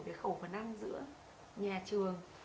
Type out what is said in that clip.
với khẩu phần ăn giữa nhà trường